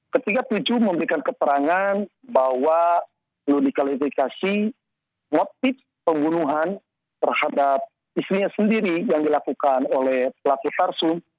ketiga tujuh memberikan keterangan bahwa perlu dikalifikasi motif pembunuhan terhadap istrinya sendiri yang dilakukan oleh pelaku parsum